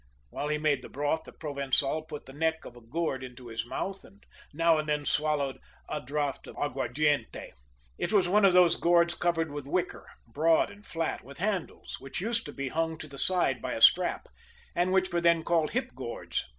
While he made the broth, the Provençal put the neck of a gourd into his mouth, and now and then swallowed a draught of aguardiente. It was one of those gourds covered with wicker, broad and flat, with handles, which used to be hung to the side by a strap, and which were then called hip gourds.